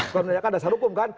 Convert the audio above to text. karena ini kan dasar hukum kan